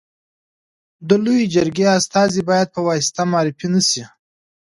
د لويي جرګي استازي باید په واسطه معرفي نه سي.